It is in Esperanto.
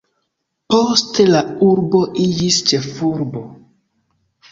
Poste la urbo iĝis ĉefurbo.